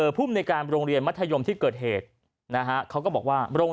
ภูมิในการโรงเรียนมัธยมที่เกิดเหตุนะฮะเขาก็บอกว่าโรง